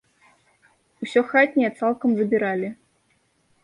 Усё хатняе цалкам забіралі.